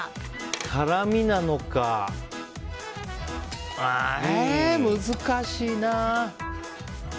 辛みなのか難しいな。